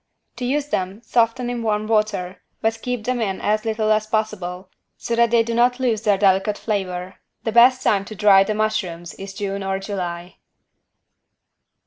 To use them soften in warm water, but keep them in as little as possible, so that they do not lose their delicate flavor. The best time to dry the mushrooms is June or July.